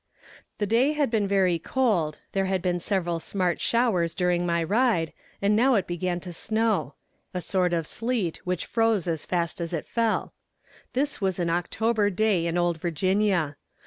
The day had been very cold; there had been several smart showers during my ride, and now it began to snow a sort of sleet which froze as fast as it fell. This was an October day in Old Virginia.